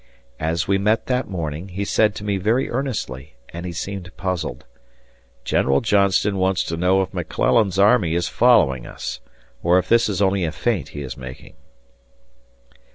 As we met that morning, he said to me very earnestly, he seemed puzzled, "General Johnston wants to know if McClellan's army is following us, or if this is only a feint he is making."